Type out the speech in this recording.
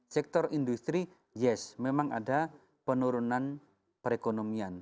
sektor industri yes memang ada penurunan perekonomian